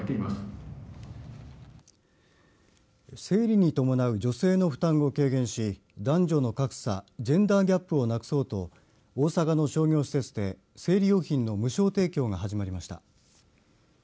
生理に伴う女性の負担を軽減し男女の格差ジェンダーギャップをなくそうと大阪の商業施設で生理用品の無償提供が始まりました。